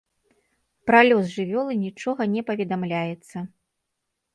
Пра лёс жывёлы нічога не паведамляецца.